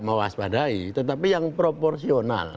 mewaspadai tetapi yang proporsional